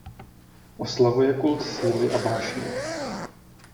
Oslavuje kult síly a vášně.